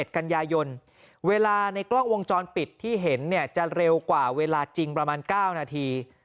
๑กันยายนเวลาในกล้องวงจรปิดที่เห็นเนี่ยจะเร็วกว่าเวลาจริงประมาณ๙นาที